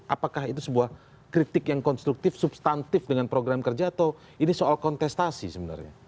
apakah itu sebuah kritik yang konstruktif substantif dengan program kerja atau ini soal kontestasi sebenarnya